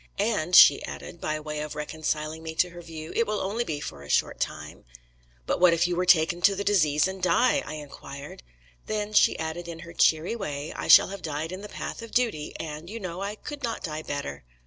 And', she added, by way of reconciling me to her view, 'it will only be for a short time.' "'But what if you were to take the disease and die?' I inquired. "'Then,' she added, in her cheery way, 'I shall have died in the path of duty, and, you know, I could not die better.'